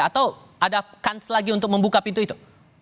atau ada kans lagi untuk membuka pintu itu